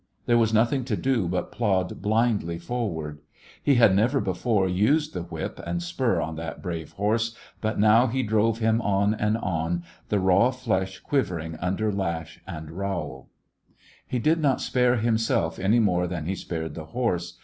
There was nothing to do but plod blindly forward. He had never before used the whip and spur on that brave horse, but now he drove him on and on, the raw flesh quiver ing under lash and rowel. He did not spare himself any more than he spared the horse.